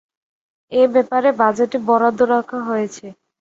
এ ব্যাপারে বাজেটে বরাদ্দ রাখা হয়েছে।